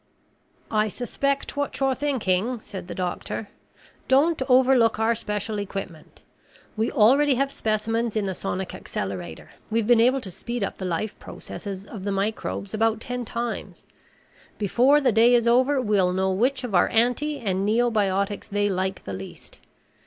"I suspect what you're thinking," said the doctor. "Don't overlook our special equipment. We already have specimens in the sonic accelerator. We've been able to speed up the life processes of the microbes about ten times. Before the day is over we'll know which of our anti and neobiotics they like the least.